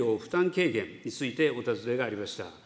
軽減についてお尋ねがありました。